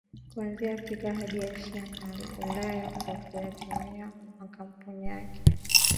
Kuanzia Afrika hadi Asia na Ulaya kwa kuyatumia makampuni yake